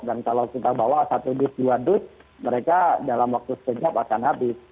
dan kalau kita bawa satu dus dua dus mereka dalam waktu sekejap akan habis